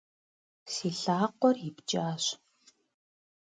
Си лъакъуэр ипкӏащ.